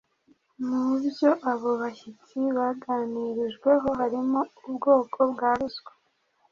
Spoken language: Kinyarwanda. Mu byo abo bashyitsi baganirijweho harimo ubwoko bwa ruswa